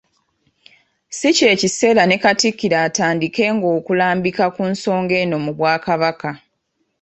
Si ky'ekiseera ne Katikkiro atandikenga okulambika ku nsonga eno mu Bwakabaka